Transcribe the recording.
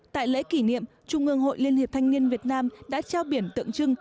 tại lễ kỷ niệm trung ương hội liên hiệp thanh niên việt nam đã trao biển tượng trưng